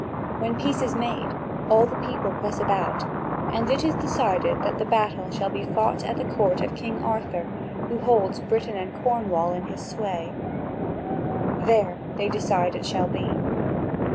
When peace is made, all the people press about, and it is decided that the battle shall be fought at the court of King Arthur, who holds Britain and Cornwall in his sway: there they decide that it shall be.